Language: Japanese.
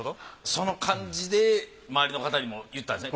その感じで周りの方にも言ったんですね。